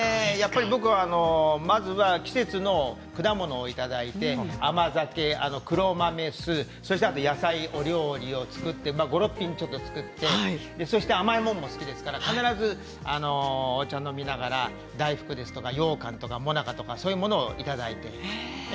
僕はまずは季節の果物をいただいて甘酒、黒豆酢、そして野菜お料理を作って５、６品作って甘いものも好きですから必ずお茶を飲みながら、大福ですとかようかんとか、もなかとかそういったものをいただいています。